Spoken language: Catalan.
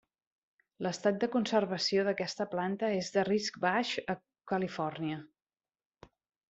L'estat de conservació d'aquesta planta és de risc baix a Califòrnia.